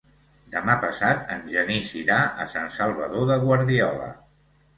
Demà passat en Genís irà a Sant Salvador de Guardiola.